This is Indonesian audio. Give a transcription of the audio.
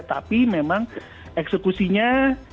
tapi memang eksekusinya